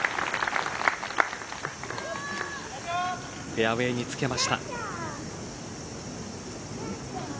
フェアウエーにつけました。